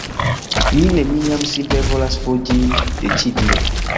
Mi neniam simple volas fuĝi de ĉi tio